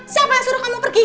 siapa yang suruh kamu pergi